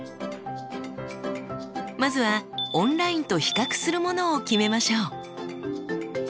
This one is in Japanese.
まずはオンラインと比較するものを決めましょう。